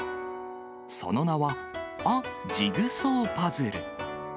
その名は、ア・ジグソーパズル。